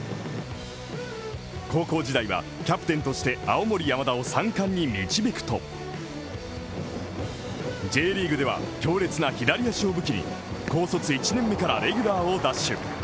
高校時代はキャプテンとして、青森山田を３冠に導くと、Ｊリーグでは強烈な左足を武器に、高卒１年目からレギュラーを奪取。